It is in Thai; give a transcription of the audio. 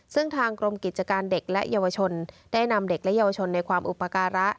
ซึ่งทางกรมกิจการเด็กและเยาวชนได้นำเด็กและเยาวชนในความอุปการะ